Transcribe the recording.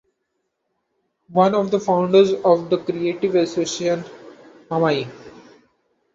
One of the founders of the creative association "Mamai".